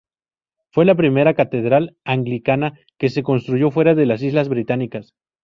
Fue la primera catedral anglicana que se construyó fuera de las Islas Británicas.